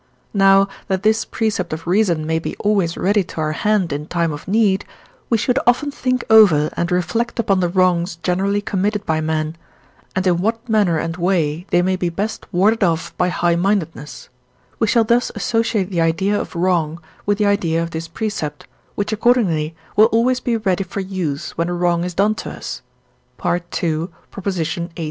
Now, that this precept of reason may be always ready to our hand in time of need, we should often think over and reflect upon the wrongs generally committed by men, and in what manner and way they may be best warded off by high mindedness: we shall thus associate the idea of wrong with the idea of this precept, which accordingly will always be ready for use when a wrong is done to us (II. xviii.).